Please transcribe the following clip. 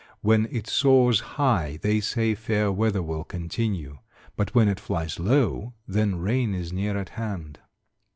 When it soars high, they say fair weather will continue, but when it flies low, then rain is near at hand.